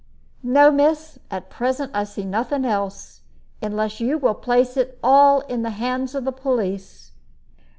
"No, miss, at present I see nothing else. Unless you will place it all in the hands of the police."